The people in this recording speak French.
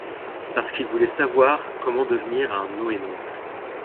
Parce qu'il voulait savoir comment devenir un NoéNaute.